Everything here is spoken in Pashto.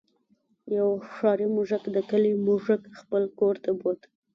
یو ښاري موږک د کلي موږک خپل کور ته بوت.